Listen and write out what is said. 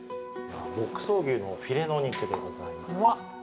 牧草牛のフィレの肉でございます。